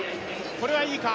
これはいいか？